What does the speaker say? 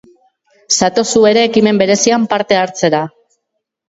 Zatoz zu ere ekimen berezian parte hartzera!